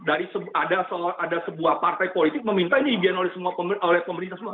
dari ada sebuah partai politik meminta ini dibiarkan oleh pemerintah semua